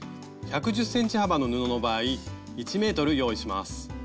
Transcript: １１０ｃｍ幅の布の場合１ｍ用意します。